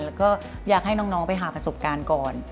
แล้วก็อยากให้น้องไปหาประสบการณ์ก่อน